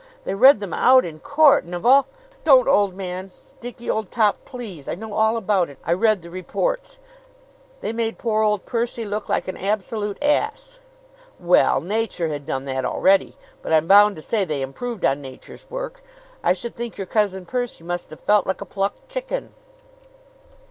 They read them out in court; and of all " "Don't, old man! Dickie, old top please! I know all about it. I read the reports. They made poor old Percy look like an absolute ass." "Well, Nature had done that already; but I'm bound to say they improved on Nature's work. I should think your Cousin Percy must have felt like a plucked chicken."